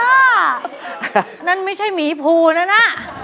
อันนั้นไม่ใช่หมีภูลนั่นอะ